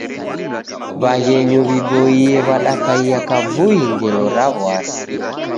W'aghenyu w'iboie w'adakaia kavui ngelo ra w'asi.